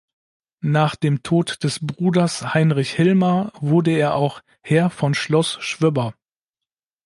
Nach dem Tod des Bruders Heinrich Hilmar wurde er auch Herr von Schloss Schwöbber.